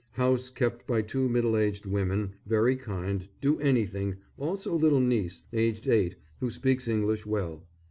House kept by two middle aged women, very kind, do anything; also little niece, aged eight, who speaks English well.